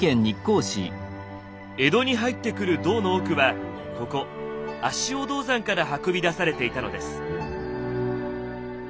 江戸に入ってくる銅の多くはここ足尾銅山から運び出されていたのです。